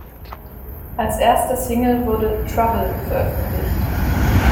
Als erste Single wurde "Trouble" veröffentlicht.